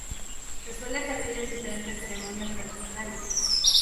Se suele servir en diferentes ceremonias tradicionales.